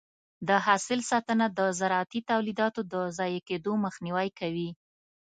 د حاصل ساتنه د زراعتي تولیداتو د ضایع کېدو مخنیوی کوي.